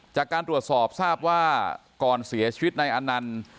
จากการตรวจสอบทราบว่าก่อนเสียชีวิตในอนันต์